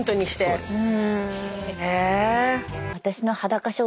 そうです。